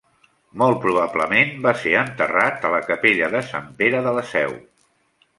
Molt probablement va ser enterrat a la capella de Sant Pere de la Seu.